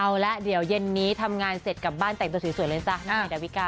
อะไรอย่างนี้ใช่ค่ะ